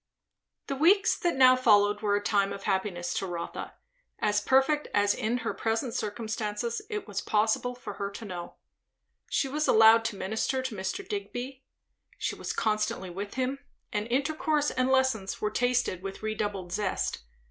The weeks that now followed were a time of happiness to Rotha, as perfect as in her present circumstances it was possible for her to know. She was allowed to minister to Mr. Digby, she was constantly with him, and intercourse and lessons were tasted with redoubled zest.